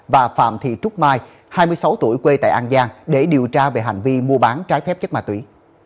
và phạm thị trúc mai hai mươi sáu tuổi quê tại an giang để điều tra về hành vi mua bán trái phép chất ma túy